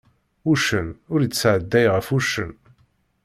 Uccen ur tt-isɛedday ɣef uccen.